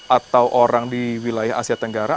atau orang di wilayah asia tenggara